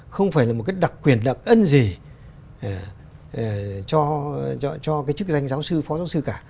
không phải là một cái đặc quyền đặc ân gì cho cái chức danh giáo sư phó giáo sư cả